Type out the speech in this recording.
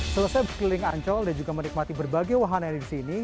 selesai berkeliling ancol dan juga menikmati berbagai wahana yang ada di sini